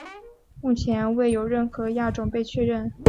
目前未有任何亚种被确认。